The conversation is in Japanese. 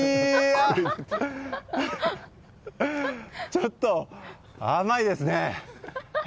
ちょっと、甘いですね！